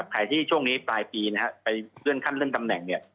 ใครที่ช่วงนี้ปลายปีนะฮะไปเลื่อนขั้นเลื่อนตำแหน่งเนี่ย